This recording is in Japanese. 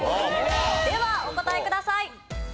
ではお答えください。